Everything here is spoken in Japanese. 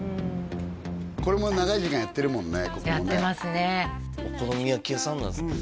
これも長い時間やってるもんねやってますね